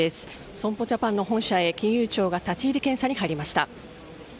損保ジャパンの本社へ、金融庁が立ち入り検査に入りました。